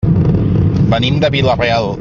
Venim de Vila-real.